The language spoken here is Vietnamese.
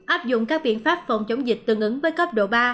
áp dụng các biện pháp phòng chống dịch tương ứng với cấp độ ba